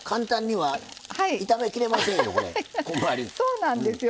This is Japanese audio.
そうなんですよ。